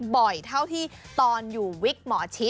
เท่าที่ตอนอยู่วิกหมอชิด